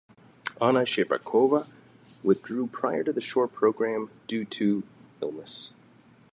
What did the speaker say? Anna Shcherbakova withdrew prior to the short program due to illness.